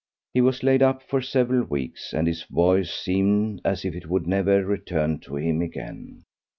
He was laid up for several weeks, and his voice seemed as if it would never return to him again.